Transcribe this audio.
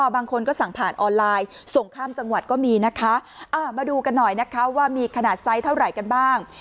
บางคนก็สั่งผ่านออนไลน์ส่งข้ามจังหวัดก็มีนะคะมาดูกันหน่อยนะคะว่ามีขนาดไซส์เท่าไหร่กันบ้าง